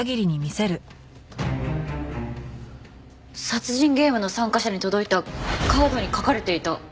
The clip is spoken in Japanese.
殺人ゲームの参加者に届いたカードに描かれていた。